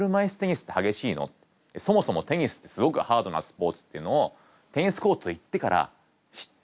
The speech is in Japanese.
そもそもテニスってすごくハードなスポーツっていうのをテニスコート行ってから知って。